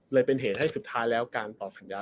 เป็นเหตุให้สุดท้ายแล้วการต่อสัญญา